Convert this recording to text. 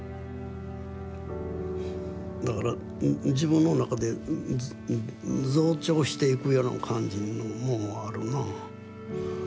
だから自分の中で増長していくような感じのもんはあるなあ。